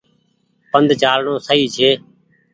پند چآلڻو سئي ڇي۔